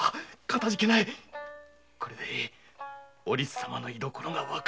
これでおりつ様の居所が分かる。